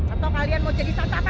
atau kalian mau jadi sasaran aku